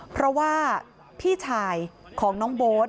เพราะว่าพี่ชายของน้องโบ๊ท